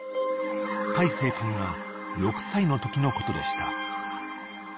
［大生君が６歳のときのことでした］